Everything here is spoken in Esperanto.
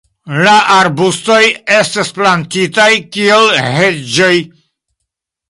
La arbustoj estas plantitaj kiel heĝoj.